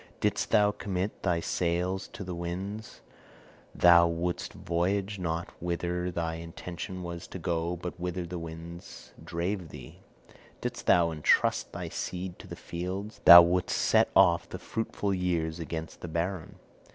Didst thou commit thy sails to the winds, thou wouldst voyage not whither thy intention was to go, but whither the winds drave thee; didst thou entrust thy seed to the fields, thou wouldst set off the fruitful years against the barren.